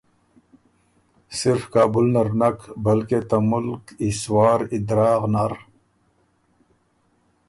صرف کابل نر نک بلکې ته مُلک ای سوار ای دراغ نر